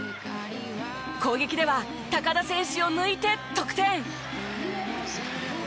攻撃では田選手を抜いて得点！